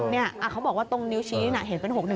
เขาบอกว่าตรงนิ้วชี้นะเห็นเป็น๖๑